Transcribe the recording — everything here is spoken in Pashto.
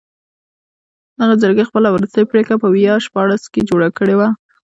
دغې جرګې خپله وروستۍ غونډه په ویا شپاړس کې جوړه کړې وه.